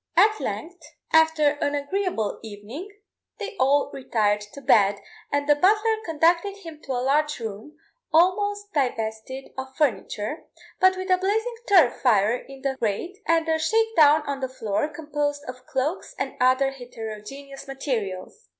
At length, after an agreeable evening, they all retired to bed, and the butler conducted him to a large room, almost divested of furniture, but with a blazing turf fire in the grate, and a shake down on the floor, composed of cloaks and other heterogeneous materials.